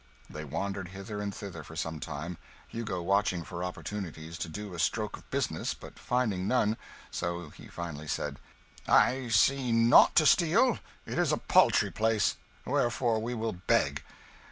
They wandered hither and thither for some time, Hugo watching for opportunities to do a stroke of business, but finding none so he finally said "I see nought to steal; it is a paltry place. Wherefore we will beg."